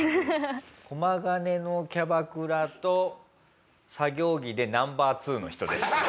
駒ヶ根のキャバクラと作業着でＮｏ．２の人です。